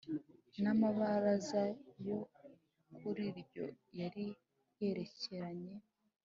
N amabaraza yo kuri ryo yari yerekeranye